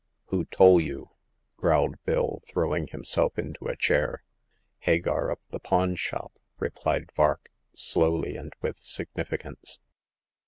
"Who toleyou ?" growled Bill, throwing him self into a chair. " Hagar of the Pawn shop," replied Vark, slowly and with significance.